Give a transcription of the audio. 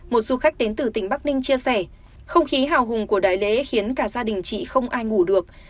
một du khách đến từ tỉnh bắc ninh chia sẻ không khí hào hùng của đại lễ khiến cả gia đình chị không ai ngủ được